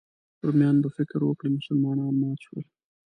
رومیان به فکر وکړي مسلمانان مات شول.